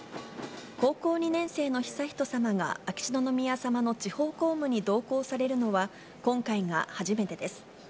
高校２年生の悠仁さまが、秋篠宮さまの地方公務に同行されるのは、今回が初めてです。